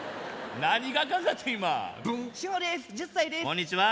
こんにちは。